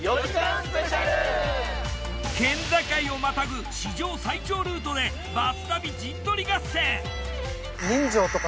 県境をまたぐ史上最長ルートでバス旅陣取り合戦。